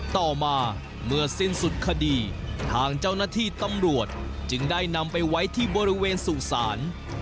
ต่อมาเมื่อสิ้นสุดคดีทางเจ้าหน้าที่ตำรวจจึงได้นำไปไว้ที่บริเวณสู่ศาล